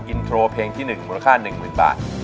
อินโทรเพลงที่๑มูลค่า๑๐๐๐บาท